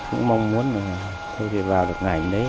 cũng mong muốn mà tôi vào được ngành đấy